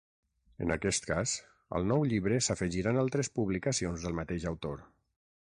En aquest cas, al nou llibre s’afegiran altres publicacions del mateix autor.